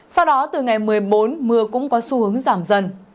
sau đó từ ngày một mươi bốn mưa cũng có xu hướng giảm dần